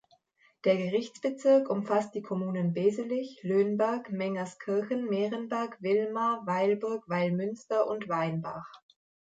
Der Gerichtsbezirk umfasst die Kommunen Beselich, Löhnberg, Mengerskirchen, Merenberg, Villmar, Weilburg, Weilmünster und Weinbach.